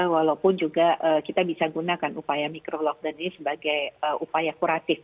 walaupun juga kita bisa gunakan upaya mikro lockdown ini sebagai upaya kuratif